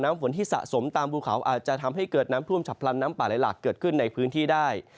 ฝนที่สะสมตามภูเขาอาจจะทำให้เกิดน้ำท่วมฉับพลันน้ำป่าไหลหลากเกิดขึ้นในพื้นที่ได้